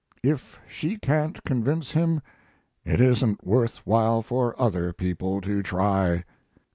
If she can't convince him it isn't worth while for other people to try.